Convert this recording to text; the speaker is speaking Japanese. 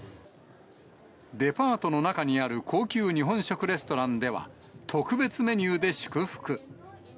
デパートの中にある高級日本食レストランでは、特別メニューで祝福。